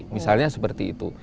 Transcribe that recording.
misalnya seperti itu